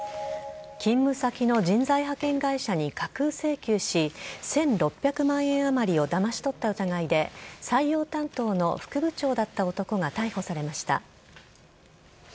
勤務先の人材派遣会社に架空請求し、１６００万円余りをだまし取った疑いで、採用担当の副部長だった男が逮捕されました。